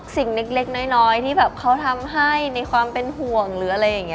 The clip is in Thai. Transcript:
สิ่งเล็กน้อยที่เขาทำให้ในความเป็นห่วง